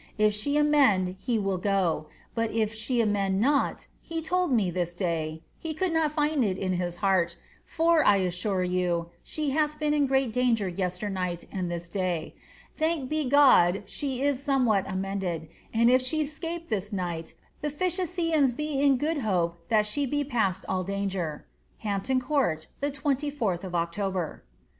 If she amend, he will go ; but if»he amend not, he told me, this day, ^he could not find it in his heart;' for, I isaurc you, she hath been in great danger yesternight and this day : thanked be GcfJ, slie is somewhat amended ; and if she 'scape this night, \he fifthUioum be io good hope that she be pn^l all danger. ''Hampton G^urt, the 24th of October."